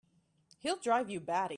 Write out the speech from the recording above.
He'll drive you batty!